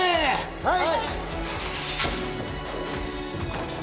はい！